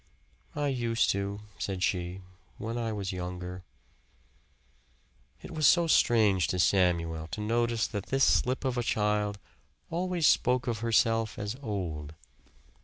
"I used to," said she "when I was younger." It was so strange to Samuel to notice that this slip of a child always spoke of herself as old.